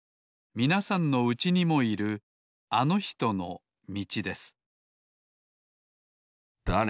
みなさんのうちにもいるあのひとのみちです